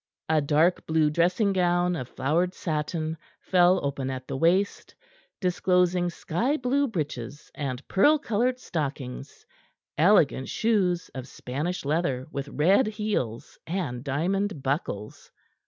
A dark blue dressing gown of flowered satin fell open at the waist; disclosing sky blue breeches and pearl colored stockings, elegant shoes of Spanish leather with red heels and diamond buckles.